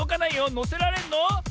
のせられるの？